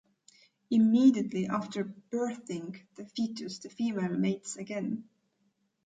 Immediately after birthing the fetus, the female mates again.